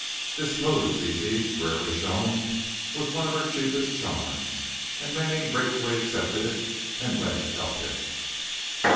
This mood of Zizi's, rarely shown, was one of her chiefest charms, and Manning gratefully accepted it, and let it help him.